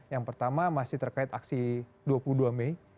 yang pertama masih terkait aksi dua puluh dua mei